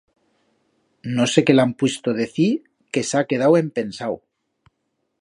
No sé que l'han puisto decir que s'ha quedau empensau.